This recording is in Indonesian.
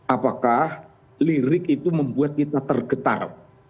apakah lirik itu membuat kita tergetar